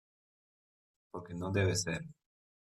porque no debe ser.